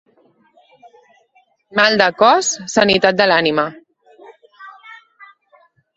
Mal de cos, sanitat de l'ànima.